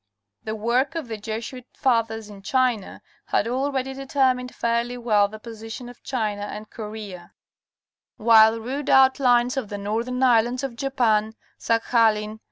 The work of the Jesuit fathers in China had already determined fairly well the position of China and Korea, 118 National Geographic Magazine. while rude outlines of the northern islands of Japan, Sakhalin